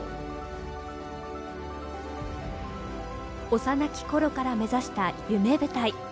幼き頃から目指した夢舞台。